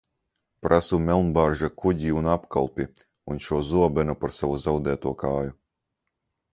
Prasu Melnbārža kuģi un apkalpi, un šo zobenu par savu zaudēto kāju!